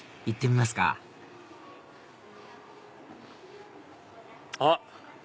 行ってみますかあっ！